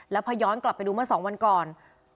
แล้วพอย้อนกลับไปดูเมื่อ๒วันก่อน